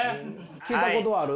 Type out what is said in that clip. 聞いたことある？